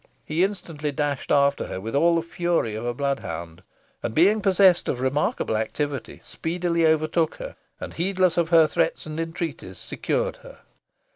He instantly dashed after her with all the fury of a bloodhound, and, being possessed of remarkable activity, speedily overtook her, and, heedless of her threats and entreaties, secured her.